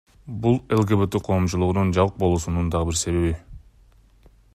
Бул ЛГБТ коомчулугунун жабык болуусунун дагы бир себеби.